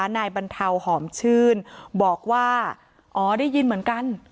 นายบรรเทาหอมชื่นบอกว่าอ๋อได้ยินเหมือนกัน